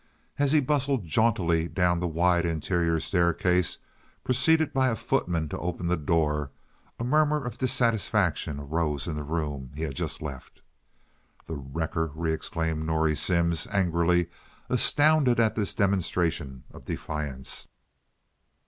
As he bustled jauntily down the wide interior staircase, preceded by a footman to open the door, a murmur of dissatisfaction arose in the room he had just left. "The wrecker!" re exclaimed Norrie Simms, angrily, astounded at this demonstration of defiance.